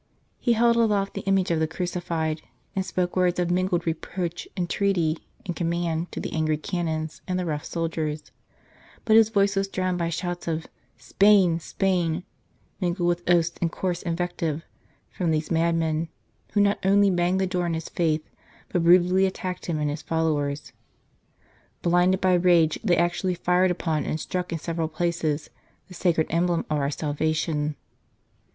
He held aloft the image of the Crucified, and spoke words of mingled reproach, entreaty and command to the angry Canons and the rough soldiers, but his voice was drowned by shouts of " Spain ! Spain !" mingled with oaths and coarse invective from these madmen, who not only banged the door in his face, but brutally attacked him and his followers. Blinded by rage, they actually fired upon, and struck in several places, the sacred Emblem of our Salvation.